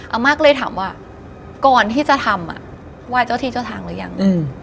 อาม่าก็เลยถามว่าก่อนที่จะทำไหว้เจ้าที่เจ้าทางหรือยัง